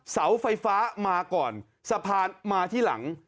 เสาไฟฟ้ามาก่อนสะพานมาที่หลัง